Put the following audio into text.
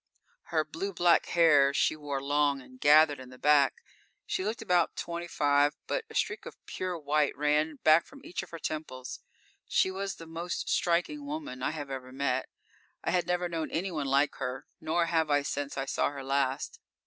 Her blue black hair she wore long and gathered in the back. She looked about twenty five, but a streak of pure white ran back from each of her temples. She was the most striking woman I have ever met. I had never known anyone like her, nor have I since I saw her last.